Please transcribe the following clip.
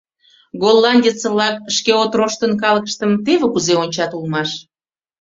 Голландец-влак шке отроштын калыкыштым теве кузе ончат улмаш!